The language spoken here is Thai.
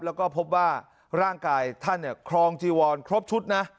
แล้วก็พบว่าร่างกายท่านครองจีวอนครบชุดนะ